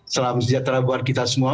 selamat sijatera buat kita semua